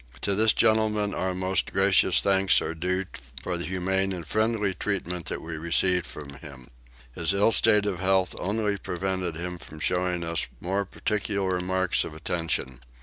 To this gentleman our most grateful thanks are due for the humane and friendly treatment that we received from him. His ill state of health only prevented him from showing us more particular marks of attention.